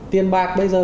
tiền bạc bây giờ